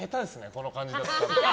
この感じだと。